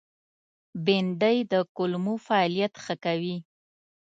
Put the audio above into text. بېنډۍ د کولمو فعالیت ښه کوي